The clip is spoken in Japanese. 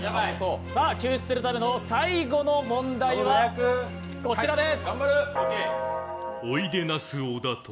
救出するための最後の問題はこちらです。